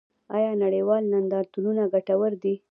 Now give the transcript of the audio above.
آیا نړیوال نندارتونونه ګټور دي؟